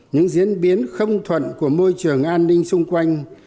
những diễn biến không thuận của môi trường an ninh xung quanh